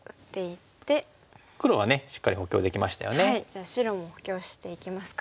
じゃあ白も補強していきますか。